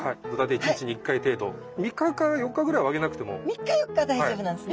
３日４日は大丈夫なんですね。